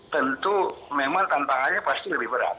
tentu memang tantangannya pasti lebih berat